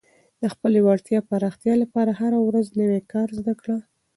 د خپلې وړتیا پراختیا لپاره هره ورځ نوی کار زده کړه.